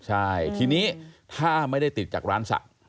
ใช่ทีนี้ถ้าไม่ได้ติดจากร้านสระ